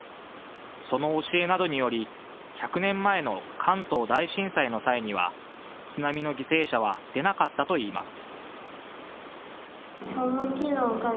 その教えなどにより１００年前の関東大震災の際には津波の犠牲者は出なかったといいます。